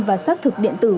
và xác thực điện tử